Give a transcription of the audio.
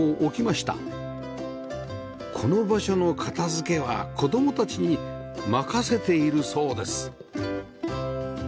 この場所の片付けは子供たちに任せているそうです